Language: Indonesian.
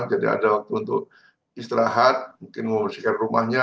jadi ada waktu untuk istirahat mungkin memusikkan rumahnya